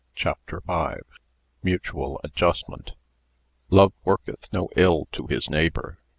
Chapter V, Mutual Adjustment " Love worketh no ill to his neighbour."